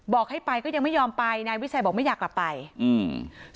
บอกให้ไปก็ยังไม่ยอมไปนายวิชัยบอกไม่อยากกลับไปอืม